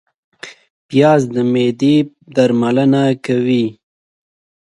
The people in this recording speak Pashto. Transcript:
پیاز د معدې درملنه کوي